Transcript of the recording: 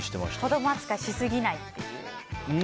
子供扱いしすぎないっていう？